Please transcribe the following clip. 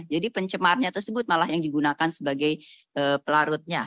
jadi pencemarnya tersebut malah yang digunakan sebagai pelarutnya